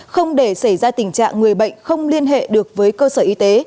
không để xảy ra tình trạng người bệnh không liên hệ được với cơ sở y tế